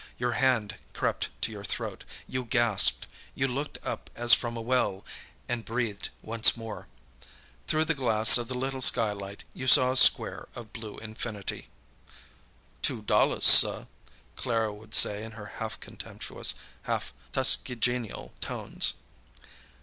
Your hand crept to your throat, you gasped, you looked up as from a well—and breathed once more. Through the glass of the little skylight you saw a square of blue infinity. "Two dollars, suh," Clara would say in her half contemptuous, half Tuskegeenial tones.